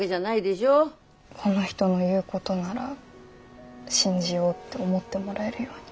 この人の言うことなら信じようって思ってもらえるように。